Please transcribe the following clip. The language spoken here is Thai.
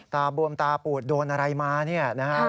บวมตาปูดโดนอะไรมาเนี่ยนะฮะ